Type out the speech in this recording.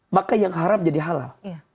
maka yang haram jadi halal